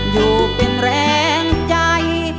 อยู่เป็นแรงใจ